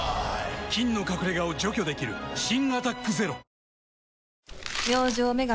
菌の隠れ家を除去できる新「アタック ＺＥＲＯ」明星麺神